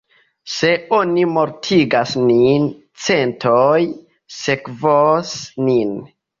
Se oni mortigas nin, centoj sekvos nin.